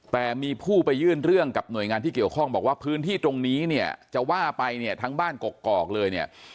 แต่มีผู้ไปยื่นเรื่องกับหน่วยงานที่เกี่ยวข้องบอกว่าพื้นที่ตรงนี้เนี่ยจะว่าไปเนี่ยทั้งบ้านกกอกเลยเนี่ย